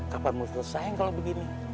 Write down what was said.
kapan mau selesai kalau begini